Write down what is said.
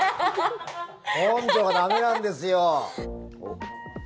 根性が駄目なんですよ。